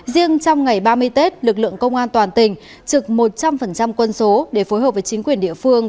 riêng trong ngày ba mươi tết lực lượng công an toàn tỉnh trực một trăm linh quân số để phối hợp với chính quyền địa phương